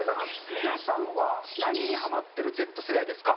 皆さんは何にハマってるＺ世代ですか。